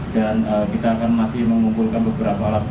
dan kita akan masih mengumpulkan beberapa alat bukti